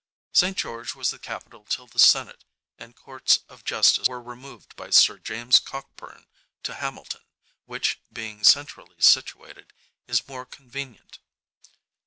St George was the capital till the senate and courts of justice were removed by Sir James Cockburn to Hamilton, which being centrally situated, is more convenient.